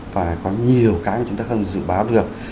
và có nhiều cái mà chúng ta không dự báo được